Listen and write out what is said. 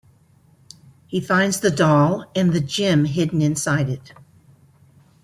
He finds the doll and the gem hidden inside it.